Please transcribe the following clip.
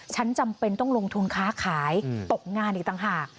จำเป็นต้องลงทุนค้าขายตกงานอีกต่างหาก